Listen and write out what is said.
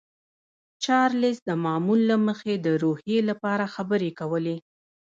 چارلیس د معمول له مخې د روحیې لپاره خبرې کولې